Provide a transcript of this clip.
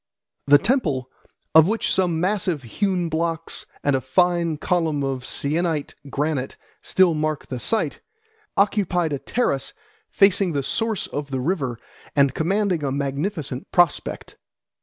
The temple, of which some massive hewn blocks and a fine column of Syenite granite still mark the site, occupied a terrace facing the source of the river and commanding a magnificent prospect.